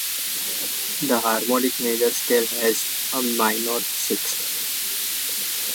The harmonic major scale has a minor sixth.